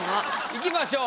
いきましょう。